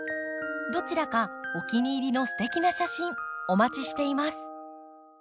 どちらかお気に入りのすてきな写真お待ちしています。